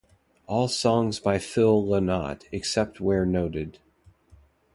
All songs by Phil Lynott, except where noted.